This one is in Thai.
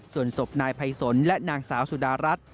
ส่วนศพนายภัยสนและนางสาวสุดารัฐ